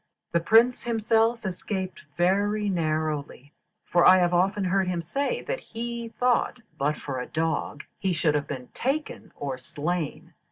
The Prince himself escaped very narrowly, for I have often heard him say that he thought but for a dog he should have been taken or slain.